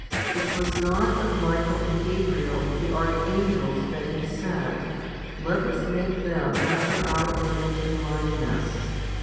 1 It was not of Michael and Gabriel, the archangels, that He said, Let us make them after Our image and likeness?